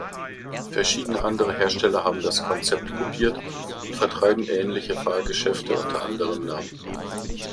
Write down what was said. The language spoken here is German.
Verschiedene andere Hersteller haben das Konzept kopiert und vertreiben ähnliche Fahrgeschäfte unter anderem Namen.